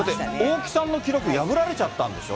大木さんの記録破られちゃったんでしょ？